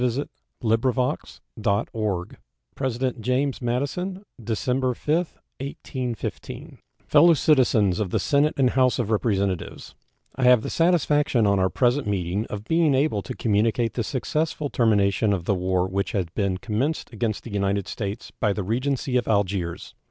State of the Union Address James Madison December 5, 1815 Fellow Citizens of the Senate and House of Representatives: I have the satisfaction on our present meeting of being able to communicate the successful termination of the war which had been commenced against the United States by the Regency of Algiers.